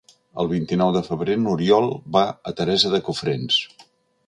El vint-i-nou de febrer n'Oriol va a Teresa de Cofrents.